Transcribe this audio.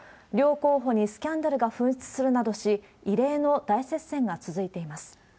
両候補にスキャンダルが噴出するなどし、異例の大接戦が続いています。